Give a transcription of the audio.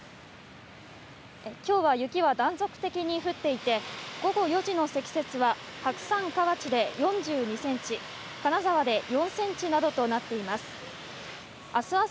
きょうは雪は断続的に降っていて、午後４時の積雪は、白山河内で４２センチ、金沢で４センチなどとなっています。